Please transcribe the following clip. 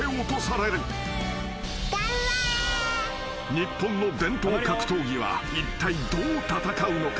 ［日本の伝統格闘技はいったいどう戦うのか？］